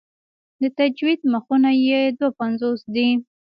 د تجوید مخونه یې دوه پنځوس دي.